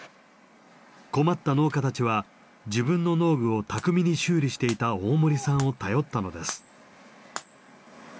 困った農家たちは自分の農具を巧みに修理していた大森さんを頼ったのです。